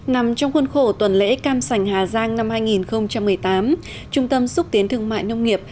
nằm trong khuôn khổ tuần lễ cam sành hà giang năm hai nghìn một mươi tám trung tâm xúc tiến thương mại nông nghiệp